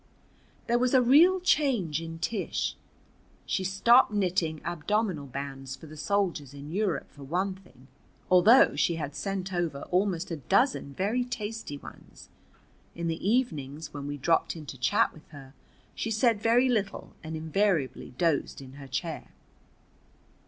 There was a real change in Tish. She stopped knitting abdominal bands for the soldiers in Europe, for one thing, although she had sent over almost a dozen very tasty ones. In the evenings, when we dropped in to chat with her, she said very little and invariably dozed in her chair.